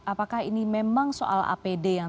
apakah ini memang soal apd yang